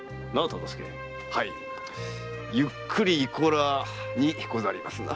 はい「ゆっくりいこら」にござりますな。